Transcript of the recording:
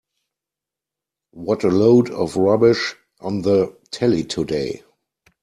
What a load of rubbish on the telly today.